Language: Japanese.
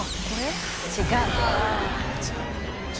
違う。